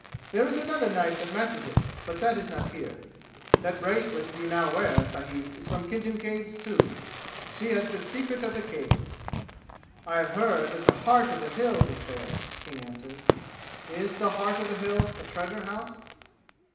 There is another knife that matches it, but that is not here. That bracelet you now wear, sahib, is from Khinjan Caves too! She has the secret of the Caves!" "I have heard that the 'Heart of the Hills' is there," King answered. "Is the 'Heart of the Hills' a treasure house?"